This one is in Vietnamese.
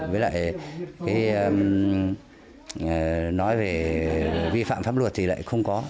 với lại nói về vi phạm pháp luật thì lại không có